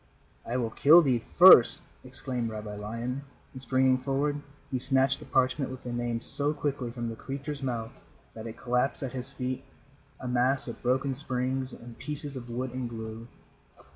"I will kill thee first," exclaimed Rabbi Lion, and springing forward he snatched the parchment with the Name so quickly from the creature's mouth that it collapsed at his feet a mass of broken springs and pieces of wood and glue.